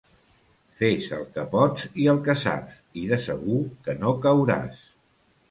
Fes el que pots i el que saps i de segur que no cauràs.